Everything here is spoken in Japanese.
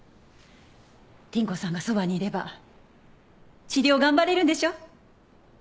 倫子さんがそばにいれば治療頑張れるんでしょ？